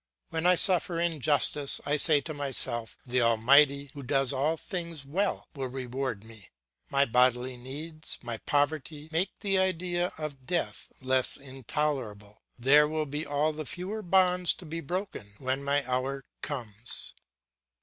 When I suffer injustice, I say to myself, the Almighty who does all things well will reward me: my bodily needs, my poverty, make the idea of death less intolerable. There will be all the fewer bonds to be broken when my hour comes.